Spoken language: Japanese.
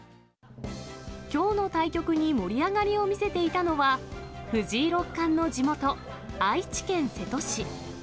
きょうの対局に盛り上がりを見せていたのは、藤井六冠の地元、愛知県瀬戸市。